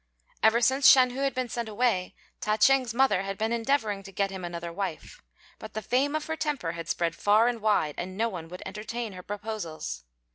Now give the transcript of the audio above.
Ever since Shan hu had been sent away, Ta ch'êng's mother had been endeavouring to get him another wife; but the fame of her temper had spread far and wide, and no one would entertain her proposals.